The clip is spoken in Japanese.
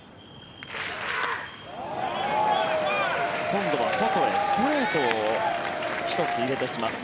今度は外へ、ストレートを１つ、入れてきます。